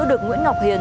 được nguyễn ngọc hiền